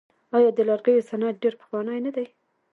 آیا د لرګیو صنعت ډیر پخوانی نه دی؟